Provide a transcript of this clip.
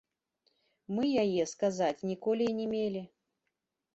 Мы яе, сказаць, ніколі і не мелі.